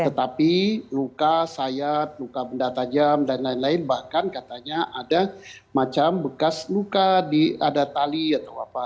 tetapi luka sayat luka benda tajam dan lain lain bahkan katanya ada macam bekas luka di ada tali atau apa